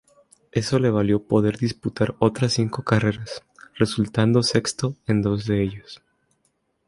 Eso le valió poder disputar otras cinco carreras, resultando sexto en dos de ellas.